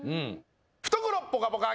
懐ぽかぽか！